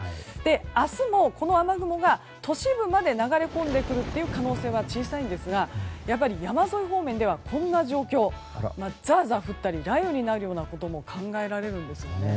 明日もこの雨雲が都市部まで流れ込んでくる可能性は小さいんですがやっぱり山沿い方面ではこんな状況ザーザー降ったり、雷雨になることも考えられるんです。